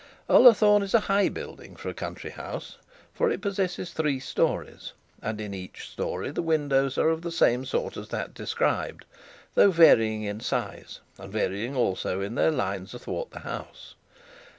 Ullathorne is a high building for a country house, for it possesses three stories; and in each storey, the windows are of the same sort as that described, though varying in size, and varying also in their lines athwart the house.